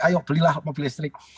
ayo belilah mobil listrik